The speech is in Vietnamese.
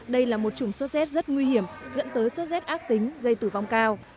đây là một chủng sốt rét rất nguy hiểm dẫn tới sốt rét ác tính gây tử vong cao